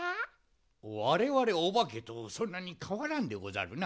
われわれおばけとそんなにかわらんでござるな。